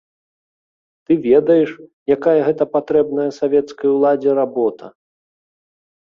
Ты ведаеш, якая гэта патрэбная савецкай уладзе работа.